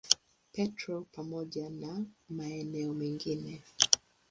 Petro pamoja na maeneo mengine.